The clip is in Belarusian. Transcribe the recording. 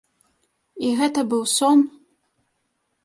І гэта быў сон?